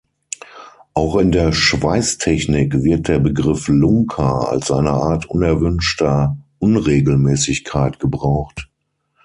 Auch in der Schweißtechnik wird der Begriff Lunker als eine Art unerwünschter Unregelmäßigkeit gebraucht.